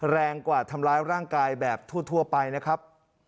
แรงกว่าทำร้ายร่างกายแบบทั่วไปนะครับ